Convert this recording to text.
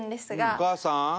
お母さん！